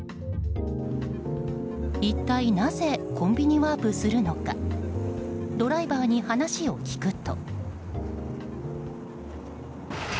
一体なぜコンビニワープするのかドライバーに話を聞くと。